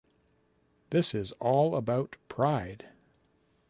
This is all about pride.